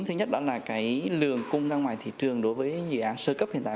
thứ nhất đó là cái lường cung ra ngoài thị trường đối với dự án sơ cấp hiện tại